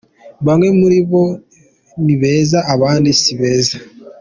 Bamwe muri bo nibeza abandi sibeza.